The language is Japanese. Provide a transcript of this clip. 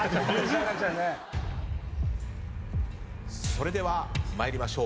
それでは参りましょう。